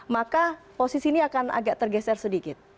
maka posisi ini akan agak tergeser sedikit